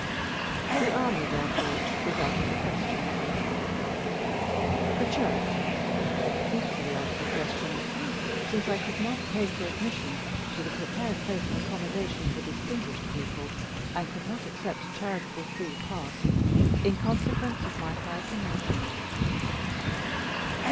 The army, therefore, was out of the question. The Church? Equally out of the question: since I could not pay for admission to the prepared place of accommodation for distinguished people, and could not accept a charitable free pass, in consequence of my high connections.